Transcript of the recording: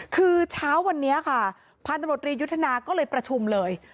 คือเช้าวันนี้ค่ะพันธุ์ตำรวจรียุทธนาก็เลยประชุมเลย